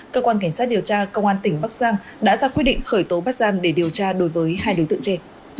cơ quan cảnh sát điều tra công an tỉnh bắc giang đã ra quyết định khởi tố bắt giam để điều tra đối với hai đối tượng trên